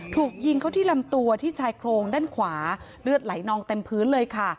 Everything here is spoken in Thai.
ถูกยิงเข้าที่ลำตัวที่ชายโครงด้านขวาเลือดไหลนองเต็มพื้นเลยค่ะ